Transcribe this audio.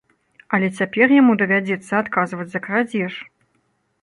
Але цяпер яму давядзецца адказваць за крадзеж.